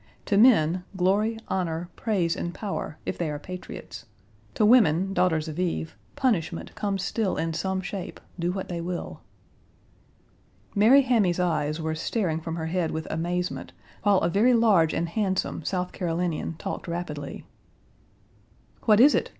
To men, glory, honor, praise, and power, if they are patriots. To women, daughters of Eve, punishment comes still in some shape, do what they will. Mary Hammy's eyes were starting from her head with amazement, while a very large and handsome South Carolinian talked rapidly. "What is it?"